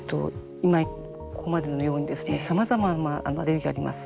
ここまでのようにさまざまなアレルギーがあります。